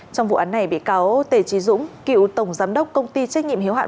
trong vụ án này bị cáo tề trí dũng cựu tổng giám đốc công ty trách nhiệm hiếu hạn